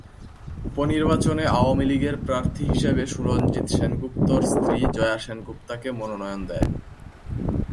উপনির্বাচনে আওয়ামী লীগের প্রার্থী হিসেবে সুরঞ্জিত সেনগুপ্তর স্ত্রী জয়া সেনগুপ্তাকে মনোনয়ন দেয়।